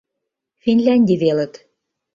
Финляндий велыт.